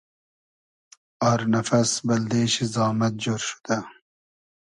آر نئفئس بئلدې شی زامئد جۉر شودۂ